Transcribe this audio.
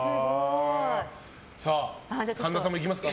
神田さんもいきますか。